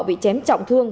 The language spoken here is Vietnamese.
bị chém trọng thương